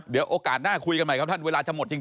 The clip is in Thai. เดี๋ยวโอกาสหน้าคุยกันใหม่ครับท่านเวลาจะหมดจริง